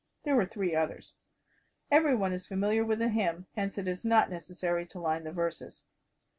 There were three others. Every one is familiar with the hymn, hence it is not necessary to line the verses.